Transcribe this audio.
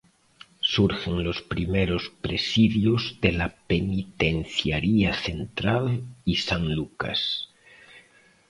Surgen los primeros presidios de la Penitenciaría Central y San Lucas.